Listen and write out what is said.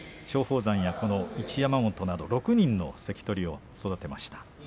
松鳳山やこの一山本など６人の関取を育てました。